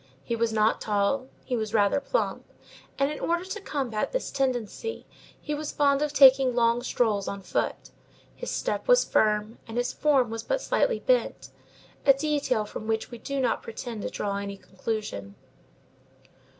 He was not tall; he was rather plump; and, in order to combat this tendency, he was fond of taking long strolls on foot; his step was firm, and his form was but slightly bent, a detail from which we do not pretend to draw any conclusion.